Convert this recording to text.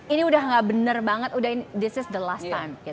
ini udah gak bener banget udah this is the last time